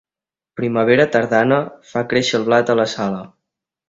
Primavera tardana fa créixer el blat a la sala.